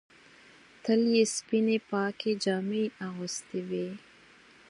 تل یې سپینې پاکې جامې اغوستې وې.